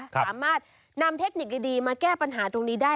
สามารถนำเทคนิคดีมาแก้ปัญหาตรงนี้ได้